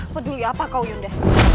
peduli apa kau yunda